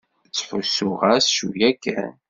Ttḥussuɣ-as cwiya kan.